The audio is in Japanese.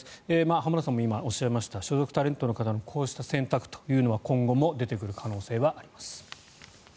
浜田さんも今、おっしゃいました所属タレントの方のこうした選択というのは今後も出てくる可能性はあります。